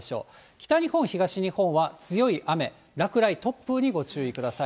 北日本、東日本は強い雨、落雷、突風にご注意ください。